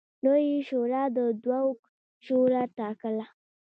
لویې شورا د دوک شورا ټاکله.